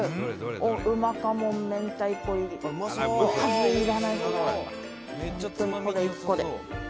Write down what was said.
「うまかもん明太子入り」「おかずいらないこれがあれば」